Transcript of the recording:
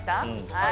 はい。